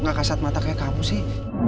gak kasat mata kayak kamu sih